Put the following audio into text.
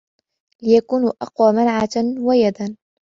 لِيَكُونُوا أَقْوَى مَنَعَةً وَيَدًا